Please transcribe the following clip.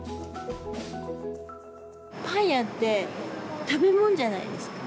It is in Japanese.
パン屋って食べ物じゃないですか。